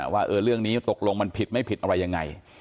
ว่าเรื่องนี้ตกลงมันผิดไม่ผิดอะไรยังไง